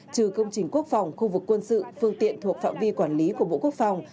trừ công trình quốc phòng khu vực quân sự phương tiện thuộc phạm vi quản lý của bộ quốc phòng